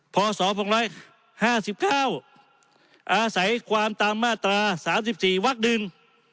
พศ๒๕๙อาศัยความตามมาตรา๓๔วักหนึ่ง